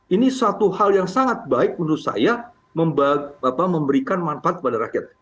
ini satu hal yang sangat baik menurut saya memberikan manfaat kepada rakyat